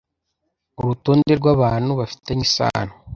urutonde rw abantu bafitanye isano